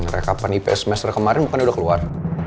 rekapan ip semester kemarin bukan udah keluar